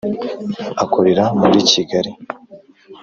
akorera muri Kigali